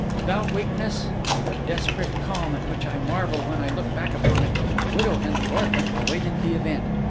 Without weakness, with a desperate calm at which I marvel when I look back upon it, the widow and the orphan awaited the event.